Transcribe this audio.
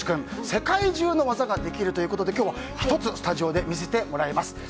世界中の技ができるということで今日は、１つスタジオで見せてもらいます。